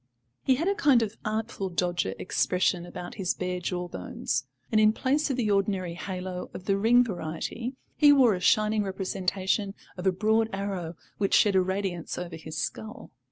He had a kind of Artful Dodger expression about his bare jaw bones, and in place of the ordinary halo of the ring variety, he wore a shining representation of a broad arrow which shed a radiance over his skull.